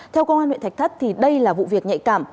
theo công an huyện thạch thất đây là vụ việc nhạy cảm